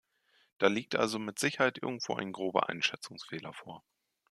Da liegt also mit Sicherheit irgendwo ein grober Einschätzungsfehler vor.